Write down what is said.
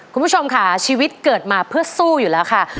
คุณผู้ชมค่ะชีวิตเกิดมาเพื่อสู้อยู่แล้วค่ะ